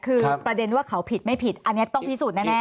คือประเด็นว่าเขาผิดไม่ผิดอันนี้ต้องพิสูจนแน่